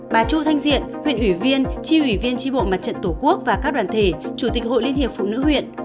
bà chu thanh diện huyện ủy viên tri ủy viên tri bộ mặt trận tổ quốc và các đoàn thể chủ tịch hội liên hiệp phụ nữ huyện